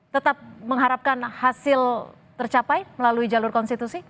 tetap mengharapkan hasil tercapai melalui jalur konstitusi